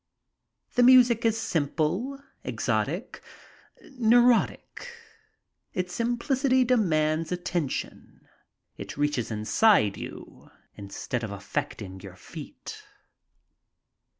The music is simple, exotic, neurotic. Its simplicity demands attention. It reaches inside you instead of affecting your feet.